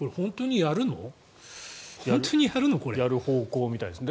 やるみたいです。